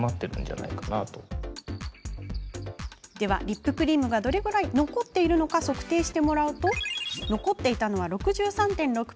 リップクリームがどれくらい残っているのか測定してもらうと残っていたのは６３．６％。